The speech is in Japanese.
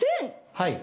はい。